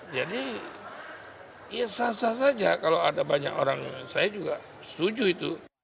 jadi ya sah sah saja kalau ada banyak orang saya juga setuju itu